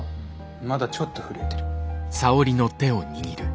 まだちょっと震えてる。